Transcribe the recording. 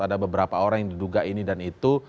ada beberapa orang yang diduga ini dan itu